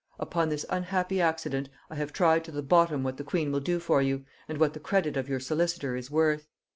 "Upon this unhappy accident I have tried to the bottom what the queen will do for you, and what the credit of your solicitor is worth.